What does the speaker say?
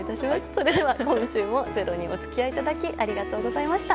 それでは、今週もｚｅｒｏにおつきあいいただき、ありがとうございました。